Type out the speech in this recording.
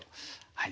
はい。